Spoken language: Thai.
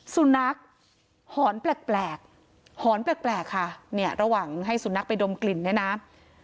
สุนัขหอนแปลกแปลกหอนแปลกแปลกค่ะเนี้ยระหว่างให้สุนัขไปดมกลิ่นนะนะ